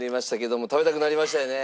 食べたくなりましたよね。